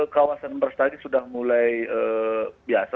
kawasan beras tadi sudah mulai biasa